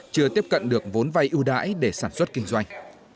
chưa tiếp cận được vốn vay ưu đãi để sản xuất kinh doanh